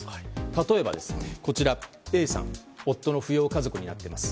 例えば、Ａさん夫の扶養家族になっています。